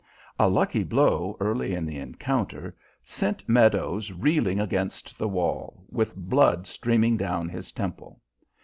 A lucky blow early in the encounter sent Meadows reeling against the wall, with blood streaming down his temple.